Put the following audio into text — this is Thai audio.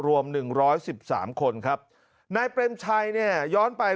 รวมหนึ่งร้อยสิบสามคนครับนายเปรมชัยเนี่ยย้อนไป